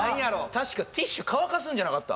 確かティッシュ乾かすんじゃなかった？